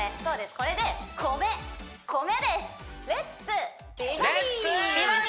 これで米米です！